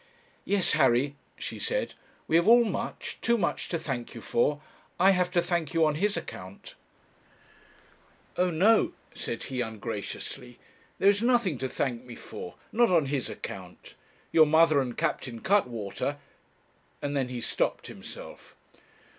'Yes, Harry,' she said, 'we have all much, too much, to thank you for. I have to thank you on his account.' 'Oh no,' said he, ungraciously; 'there is nothing to thank me for, not on his account. Your mother and Captain Cuttwater ' and then he stopped himself.